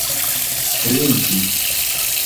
drinki